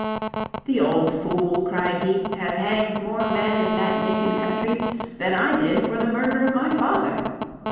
"The old fool," cried he, "has hanged more men in that naked country than I did for the murder of my father."